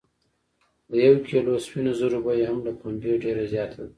د یو کیلو سپینو زرو بیه هم له پنبې ډیره زیاته ده.